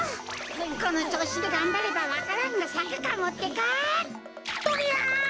このちょうしでがんばればわか蘭がさくかもってか！